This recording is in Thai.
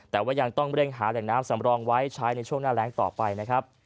แต่ว่ายังต้องเร่งหาแหล่งน้ำสำรองไว้ใช้ในช่วงหน้าแรงต่อไปนะครับ